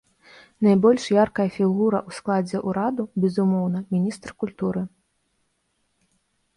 Найбольш яркая фігура ў складзе ўраду, безумоўна, міністр культуры.